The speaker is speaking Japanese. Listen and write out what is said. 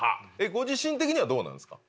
ご自身的にはどうなんですか？